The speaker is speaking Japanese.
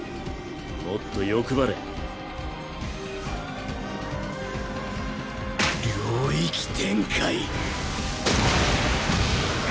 もっと欲張れ領域展開。